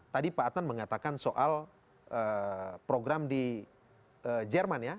tadi pak adnan mengatakan soal program di jerman ya